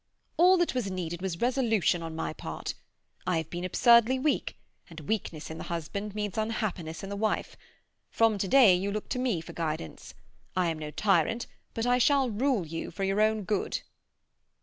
"All that was needed was resolution on my part. I have been absurdly weak, and weakness in the husband means unhappiness in the wife. From to day you look to me for guidance. I am no tyrant, but I shall rule you for your own good."